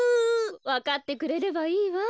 わかってくれればいいわ。